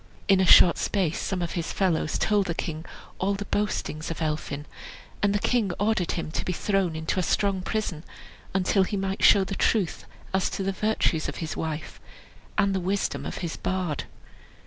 In a short space some of his fellows told the king all the boastings of Elphin; and the king ordered him to be thrown into a strong prison, until he might show the truth as to the virtues of his wife, and the wisdom of his bard.